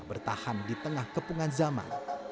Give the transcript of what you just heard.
bertahan di tengah kepungan zaman